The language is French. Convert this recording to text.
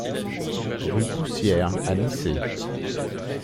Rue Poussière à Nicey